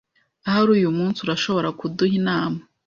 Ahari uyumunsi urashobora kuduha inama